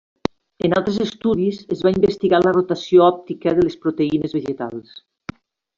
En altres estudis, es va investigar la rotació òptica de les proteïnes vegetals.